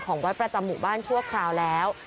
วัดประจำหมู่บ้านชั่วคราวแล้ว